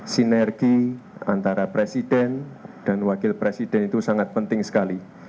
sinergi antara presiden dan wakil presiden itu sangat penting sekali